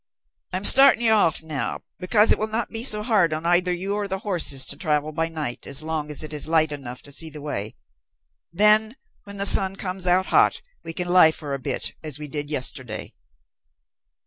"I'm starting you off now, because it will not be so hard on either you or the horses to travel by night, as long as it is light enough to see the way. Then when the sun comes out hot, we can lie by a bit, as we did yesterday."